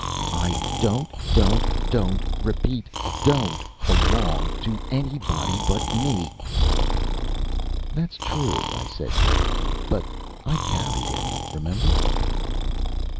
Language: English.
I DONT DONT DONT REPEAT DONT BELONG TO ANYBODY BUT ME "That's true," I said grudgingly. "But I carried him, remember."